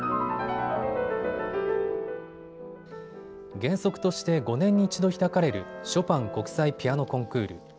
原則として５年に１度開かれるショパン国際ピアノコンクール。